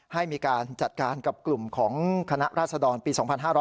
ให้จัดการกับกลุ่มของคณะราศดรปี๒๕๖๓